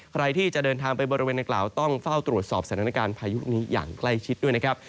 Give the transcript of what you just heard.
ใครที่จะเดินทางไปบริเวณในกล่าวต้องเฝ้าตรวจสอบสถานการณ์พายุนี้อย่างใกล้ชิดด้วยนะครับ